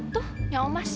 tuh nya omas